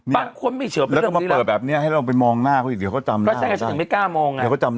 แล้วก็มาเปิดแบบนี้ให้เราไปมองหน้าเขาอีก